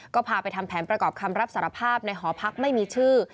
ก็พาไปทำแผนประกอบคำรับสารภาพในหอพักไม่มีชื่อ